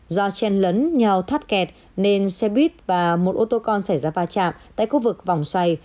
do chen lấn nhau thoát kẹt nên xe buýt và một ô tô con xảy ra va chạm tại khu vực vòng xoay